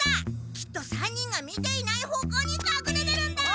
きっと３人が見ていない方向にかくれてるんだ！